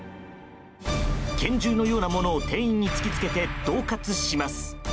拳銃のようなものを突き付け恫喝します。